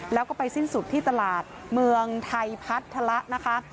แล้วก็ไปสิ้นสุดที่ตลาดเมืองไทยพัทธละนะคะ